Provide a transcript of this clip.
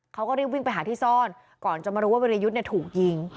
เขาก็รีบวิ่งไปหาที่ซ่อนก่อนจะมารู้ว่าวิรยุทธ์ถูกยิง